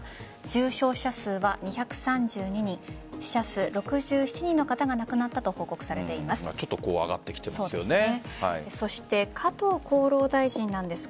重症者数は２３２人死者数、６７人の方が亡くなったと報告されています。